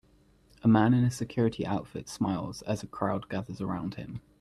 A man in a security outfit smiles as a crowd gathers around him.